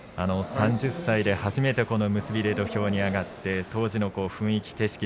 ３０歳で初めて結びで上がって当時の雰囲気、景色